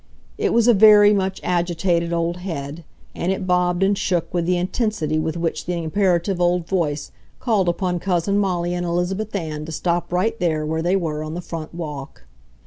It was a very much agitated old head, and it bobbed and shook with the intensity with which the imperative old voice called upon Cousin Molly and Elizabeth Ann to stop right there where they were on the front walk.